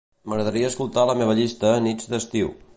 M'agradaria escoltar la meva llista "nits d'estiu".